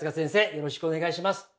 よろしくお願いします。